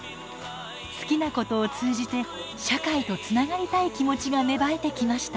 好きなことを通じて社会とつながりたい気持ちが芽生えてきました。